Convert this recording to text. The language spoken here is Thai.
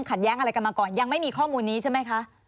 แย้งอะไรกันมาก่อนยังไม่มีข้อมูลนี้ใช่ไหมคะ